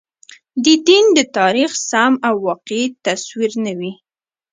د دین د تاریخ سم او واقعي تصویر نه وي.